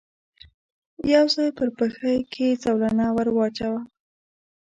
يو ځای پر پښه کې زولنه ور واچاوه.